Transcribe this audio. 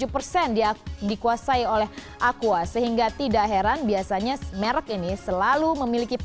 empat puluh enam tujuh persen dikuasai oleh aqua sehingga tidak heran biasanya merek ini selalu memiliki posisi